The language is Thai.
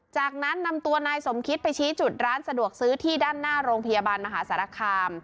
จากนั้นนำตัวนายสมคิตไปชี้จุดร้านสะดวกซื้อที่ด้านหน้าโรงพยาบาลมหาสารคาม